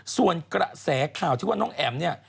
ส่วนกระแสข่าวที่ว่าน้องแอ๋มเนี่ย